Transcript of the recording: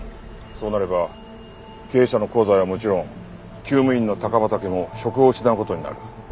そうなれば経営社の香西はもちろん厩務員の高畠も職を失う事になる。